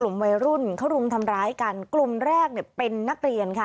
วัยรุ่นเขารุมทำร้ายกันกลุ่มแรกเนี่ยเป็นนักเรียนค่ะ